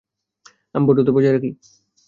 আমি ভদ্রতা বজায় রাখি।